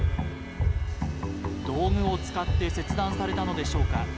道具を使って切断されたのでしょうか。